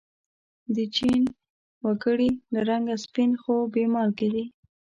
د چین و گړي له رنگه سپین خو بې مالگې دي.